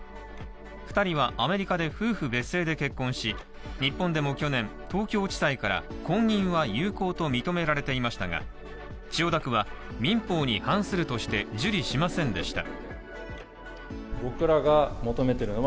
２人はアメリカで夫婦別姓で結婚し、日本でも去年、東京地裁から婚姻は有効と認められていましたが千代田区は、民法に反するとして受理しませんでした。